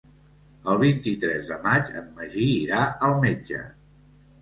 El vint-i-tres de maig en Magí irà al metge.